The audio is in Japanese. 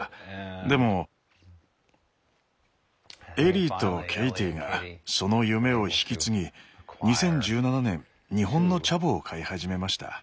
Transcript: でもエリーとケイティがその夢を引き継ぎ２０１７年日本のチャボを飼い始めました。